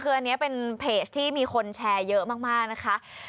คืออันนี้เป็นเพจที่มีคนแชร์เยอะมากนะคะ